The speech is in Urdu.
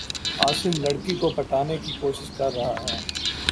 عاصم لڑ کی کو پٹانے کی کو شش کر رہا ہے